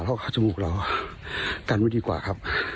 เพราะเข้าจมูกเรากันไว้ดีกว่าครับ